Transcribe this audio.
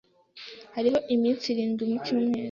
Hariho iminsi irindwi mu cyumweru.